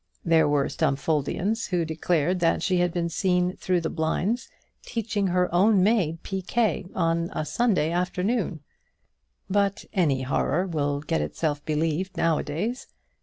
There were Stumfoldians who declared that she had been seen through the blinds teaching her own maid piquet on a Sunday afternoon; but any horror will get itself believed nowadays.